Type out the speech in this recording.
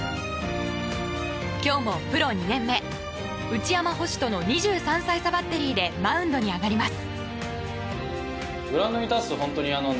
今日もプロ２年目、内山捕手との２３歳差バッテリーでマウンドに上がります。